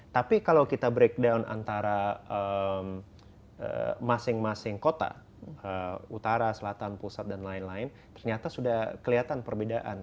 tapi kalau kita breakdown antara masing masing kota utara selatan pusat dan lain lain ternyata sudah kelihatan perbedaan